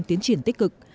tiến triển tích cực